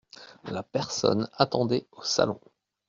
La personne attendait au salon.